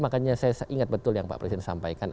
makanya saya ingat betul yang pak presiden sampaikan